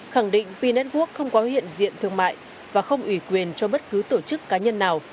khẳng định p network không có hiện diện thương mại và không ủy quyền cho bất cứ tổ chức cá nhân nào